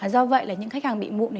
do vậy là những khách hàng bị mụn